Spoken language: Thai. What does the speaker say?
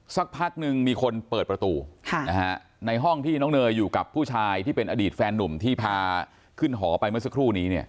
สักพักนึงมีคนเปิดประตูในห้องที่น้องเนยอยู่กับผู้ชายที่เป็นอดีตแฟนนุ่มที่พาขึ้นหอไปเมื่อสักครู่นี้